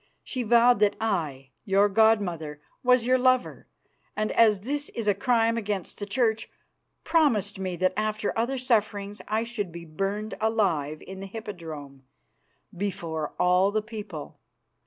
She vowed that I, your god mother, was your lover, and as this is a crime against the Church, promised me that after other sufferings I should be burned alive in the Hippodrome before all the people.